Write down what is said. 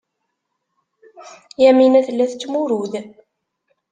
Yamina tella tettmurud.